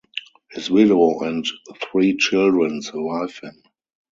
His widow and three children survive him.